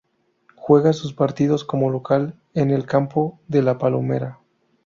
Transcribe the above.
Juega sus partidos como local en el campo de La Palomera.